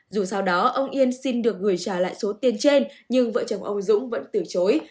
dù sau đó ông yên xin được gửi trả lại số tiền trên nhưng vợ chồng ông dũng vẫn từ chối